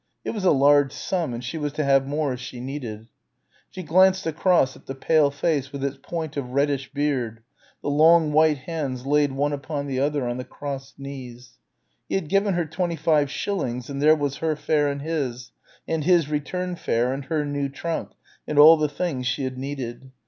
It was a large sum and she was to have more as she needed. She glanced across at the pale face with its point of reddish beard, the long white hands laid one upon the other on the crossed knees. He had given her twenty five shillings and there was her fare and his, and his return fare and her new trunk and all the things she had needed.